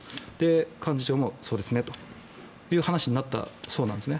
幹事長もそうですねという話になったそうなんですね。